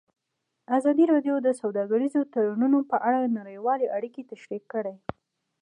ازادي راډیو د سوداګریز تړونونه په اړه نړیوالې اړیکې تشریح کړي.